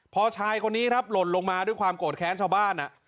พอชายคนนี้ครับหล่นลงมาด้วยความโกรธแค้นชาวบ้าน